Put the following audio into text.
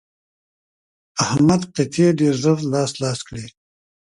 احمد قطعې ډېر ژر لاس لاس کړې.